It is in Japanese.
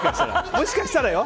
もしかしたらよ。